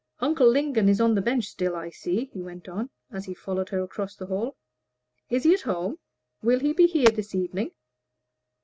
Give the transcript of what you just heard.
"Uncle Lingon is on the bench still, I see," he went on, as he followed her across the hall; "is he at home will he be here this evening?"